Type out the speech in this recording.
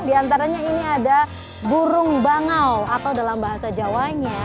di antaranya ini ada burung bangau atau dalam bahasa jawanya